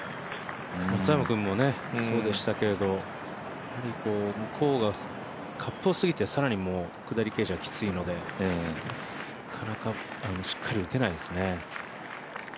松山君もそうでしたけれど向こうが下り傾斜が強いのでなかなかしっかり打てないですね。